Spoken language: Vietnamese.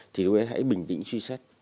thì chúng ta hãy bình tĩnh suy xét